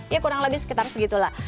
ya kurang lebih sekitar segitulah